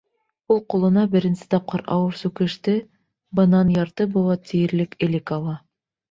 Ул ҡулына беренсе тапҡыр ауыр сүкеште бынан ярты быуат тиерлек элек ала.